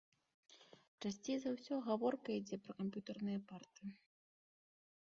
Часцей за ўсё гаворка ідзе пра камп'ютарныя парты.